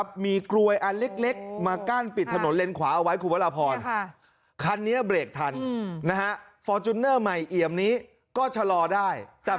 ใช่ครับถ้ามันเจอกับทันหันแบบนี้ไม่ทันแน่นอนนะคะ